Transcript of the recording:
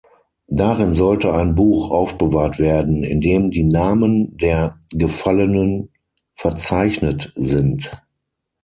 Darin sollte ein Buch aufbewahrt werden, in dem die Namen der Gefallenen verzeichnet sind.